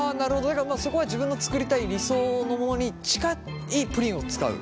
だからそこは自分の作りたい理想のものに近いプリンを使う？